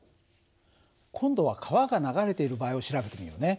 今度は川が流れている場合を調べてみようね。